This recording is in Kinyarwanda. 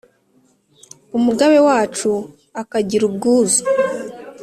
umugabe wacu akagira ubwuzu